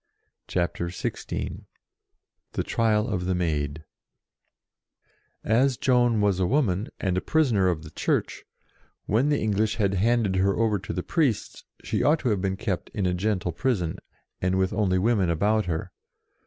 CHAPTER XVI THE TRIAL OF THE MAID AS Joan was a woman, and a prisoner of the Church, when the English had handed her over to the priests, she ought to have been kept in gentle prison, and with only women about her.